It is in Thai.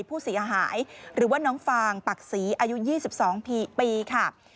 ผู้เสียหายหรือว่าน้องฟางปักศรีอายุ๒๒ปีค่ะ